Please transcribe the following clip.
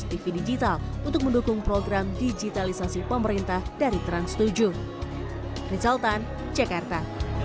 tv digital untuk mendukung program digitalisasi pemerintah dari trans tujuh rizal tan jakarta